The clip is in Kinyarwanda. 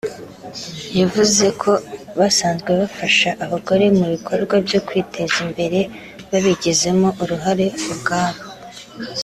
yavuze ko basanzwe bafasha abagore mu bikorwa byo kwiteza imbere babigizemo uruhare ubwabo